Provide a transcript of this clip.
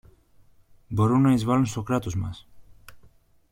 μπορούν να εισβάλουν στο Κράτος μας.